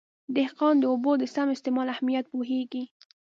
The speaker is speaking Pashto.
دهقان د اوبو د سم استعمال اهمیت پوهېږي.